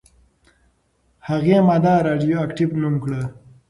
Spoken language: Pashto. هغې ماده «راډیواکټیف» نوم کړه.